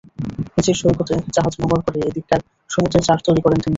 নিচের সৈকতে জাহাজ নোঙর করে এদিককার সমুদ্রের চার্ট তৈরি করেন তিনি।